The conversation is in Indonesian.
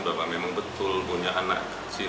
bahwa memang betul punya anak